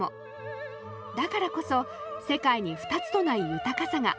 だからこそ世界に２つとない豊かさがあるんです。